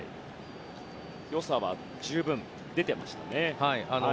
良さは十分出てましたね。